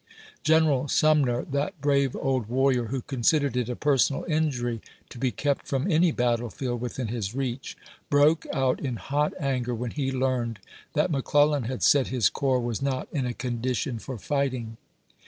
General Sum ner, that brave old warrior who considered it a personal injuiy to be kept from any battlefield within his reach, broke out in hot anger when he learned that McClellan had said his corps was not in a condition for fighting.